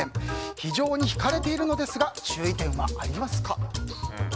非常に惹かれているのですが注意点はありますか？